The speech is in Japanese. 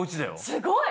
すごい！